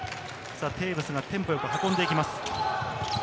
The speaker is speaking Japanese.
テーブスがテンポよく運んでいきます。